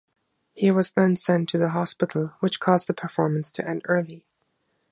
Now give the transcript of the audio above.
He was then sent to the hospital which caused the performance to end early.